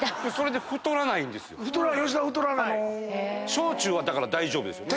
焼酎はだから大丈夫ですよね。